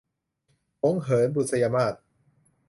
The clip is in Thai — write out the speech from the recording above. หงส์เหิน - บุษยมาส